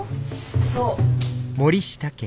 そう。